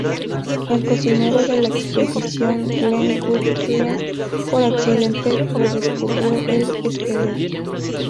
El cocinero de la expedición, Glen Guthrie, por accidente redescubrió el esqueleto.